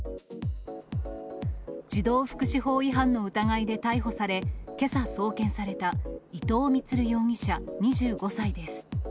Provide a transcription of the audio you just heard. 児童福祉法違反の疑いで逮捕され、けさ送検された伊藤充容疑者２５歳です。